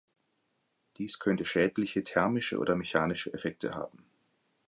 Dies könnte schädliche thermische oder mechanische Effekte haben.